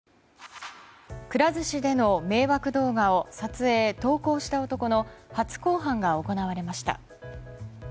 くら寿司での迷惑動画を撮影・投稿した男の初公判が行われました。